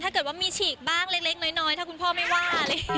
ถ้าเกิดว่ามีฉีกบ้างเล็กน้อยถ้าคุณพ่อไม่ว่าอะไรอย่างนี้